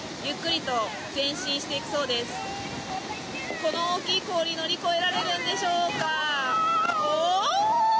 この大きい氷乗り越えられるんでしょうか。